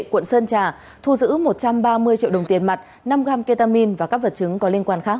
quận sơn trà thu giữ một trăm ba mươi triệu đồng tiền mặt năm gram ketamin và các vật chứng có liên quan khác